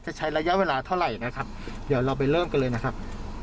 ใช้ระยะเวลาเท่าไหร่นะครับเดี๋ยวเราไปเริ่มกันเลยนะครับ